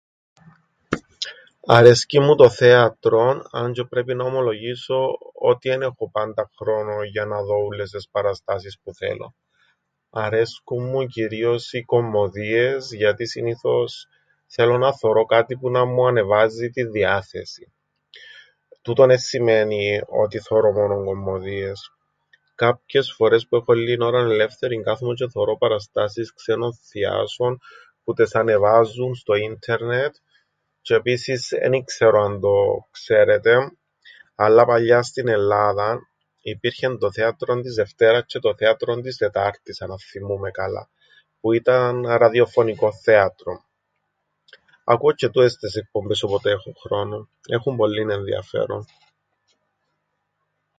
Αρέσκει μου το θέατρον αν τζ̆αι πρέπει να ομολογήσω ότι εν έχω πάντα χρόνον για να δω ούλλες τες παραστάσεις που θέλω. Αρκέσκουν μου κυρίως οι κωμμωδίες, γιατί συνήθως θέλω να θωρώ κάτι που να μου ανεβάζει την διάθεσην. Τούτον εν σημαίνει ότι θωρώ μόνον κωμμωδίες. Κάποιες φορές που έχω λλίην ώραν ελεύθερην κάθουμαι τζ̆αι θωρώ παραστάσεις ξένων θιάσων που τες ανεβάζουν στο ίντερνετ τζ̆αι επίσης εν ι-ξέρω αν το ξέρετε αλλά παλιά στην Ελλάδαν υπήρχε το θέατρον της Δευτέρας τζ̆αι το θέατρον της Τετάρτης αν αθθυμούμαι καλά, που ήταν ραδιοφωνικόν θέατρον. Ακούω τζ̆αι τούτες τες εκπομπές όποτε έχω χρόνον. Έχουν πολλύν ενδιάφερον...